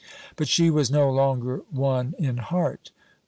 But she was no longer one in heart.